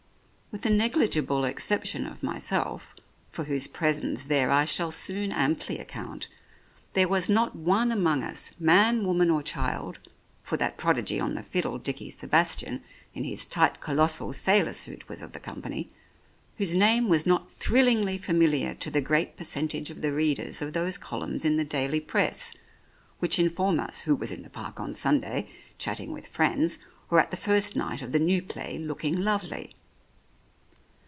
With the negligible exception of myself, for whose presence there I shall soon amply account, there was not one among us, man, woman or child (for that prodigy on the fiddle, Dickie Sebastian, in his tight colossal sailor suit, was of the company) whose name was not thrillingly familiar to the great percentage of the readers of those columns in the daily Press which inform us who was in the park on Sunday chatting with friends, or at the first night of the new play looking lovely.